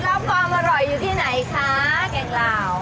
อ้าวข้ามไปที่แกงลาว